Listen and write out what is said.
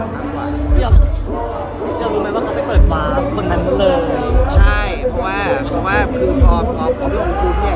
คุณฮัทพี่ยอมรู้แล้วเมื่อเขาไปเปิดวาบคนนั้นเลย